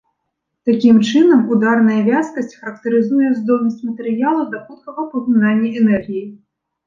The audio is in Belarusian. Такім чынам, ударная вязкасць характарызуе здольнасць матэрыялу да хуткага паглынання энергіі.